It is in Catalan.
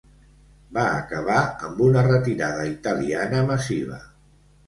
Va acabar amb una retirada italiana massiva.